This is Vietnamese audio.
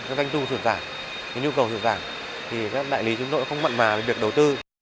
doanh thu sửa giảm nhu cầu sửa giảm thì các đại lý chúng tôi không mặn mà với việc đầu tư